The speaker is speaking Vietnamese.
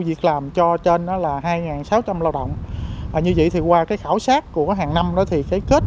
việc làm cho trên đó là hai sáu trăm linh lao động và như vậy thì qua cái khảo sát của hàng năm đó thì thấy kết